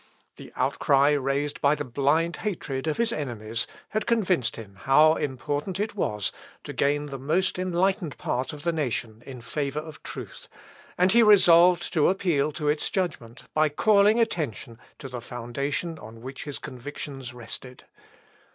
The outcry raised by the blind hatred of his enemies had convinced him how important it was to gain the most enlightened part of the nation in favour of truth, and he resolved to appeal to its judgment by calling attention to the foundation on which his convictions rested.